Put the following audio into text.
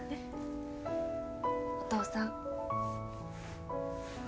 お父さん。